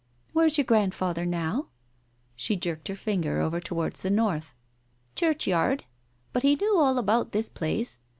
" Where is your grandfather now ?" She jerked her finger over towards the north. " Churchyard. But he knew all about this place.